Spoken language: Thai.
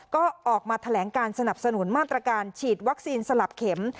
ก็ออกมาแถลงการสนับสนุนมาตรการฉีดวัคซีนสลับเข็ม